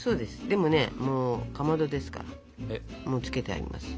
でもねもうかまどですからもうつけてあります。